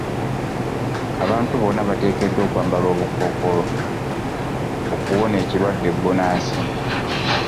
Abantu bonna bateekeddwa okwambala obukkookolo okuwona ekirwadde bbunansi.